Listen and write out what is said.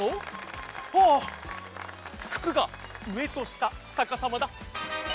ああふくがうえとしたさかさまだ！